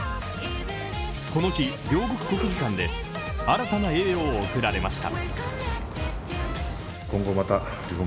この日、両国国技館で新たな栄誉が贈られました。